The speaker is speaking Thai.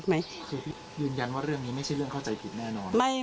ไหมคือพี่ยืนยันว่าเรื่องนี้ไม่ใช่เรื่องเข้าใจผิดแน่นอน